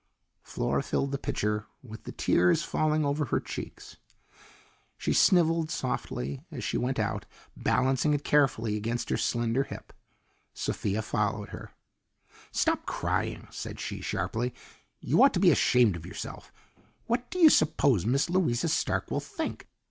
Flora filled the pitcher, with the tears falling over her cheeks. She sniveled softly as she went out, balancing it carefully against her slender hip. Sophia followed her. "Stop crying," said she sharply; "you ought to be ashamed of yourself. What do you suppose Miss Louisa Stark will think.